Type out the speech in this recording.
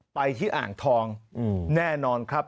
ไปที่อ่างทองแน่นอนครับ